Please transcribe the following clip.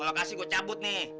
gak kasih gue cabut nih